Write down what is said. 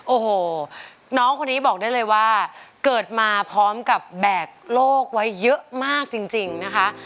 โอ้โหน้องคนนี้บอกได้เลยว่าเกิดมาพร้อมกับแบกโลกไว้เยอะมากจริงนะคะ